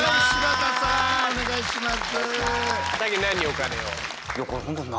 お願いします。